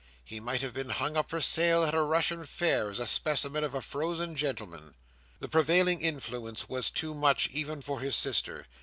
He might have been hung up for sale at a Russian fair as a specimen of a frozen gentleman. The prevailing influence was too much even for his sister.